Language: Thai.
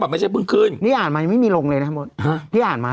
ไม่ใช่เพิ่งขึ้นนี่อ่านมายังไม่มีลงเลยนะมดฮะพี่อ่านมา